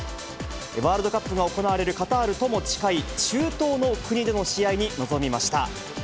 ワールドカップが行われるカタールとも近い、中東の国での試合に臨みました。